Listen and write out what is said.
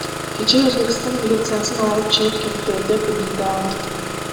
Кечээ, Өзбекстан милициясын алып чыгып кетти, — деп билдирди ал.